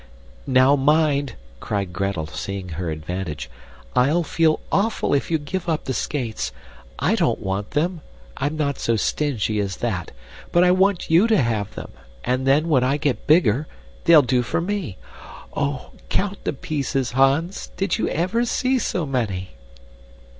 "Now, mind," cried Gretel, seeing her advantage, "I'll feel awful if you give up the skates. I don't want them. I'm not so stingy as that; but I want YOU to have them, and then when I get bigger, they'll do for me oh count the pieces, Hans. Did you ever see so many!"